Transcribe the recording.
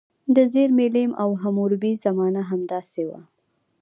د زیمري لیم او حموربي زمانه همداسې وه.